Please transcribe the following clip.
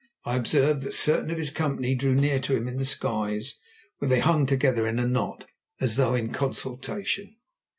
I observed that certain of his company drew near to him in the skies, where they hung together in a knot, as though in consultation.